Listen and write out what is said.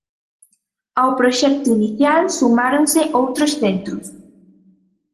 Ao proxecto inicial sumáronse outros centros.